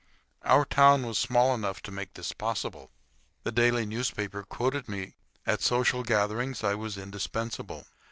Our town was small enough to make this possible. The daily newspaper quoted me. At social gatherings I was indispensable.